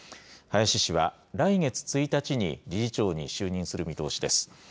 林氏は、来月１日に理事長に就任する見通しです。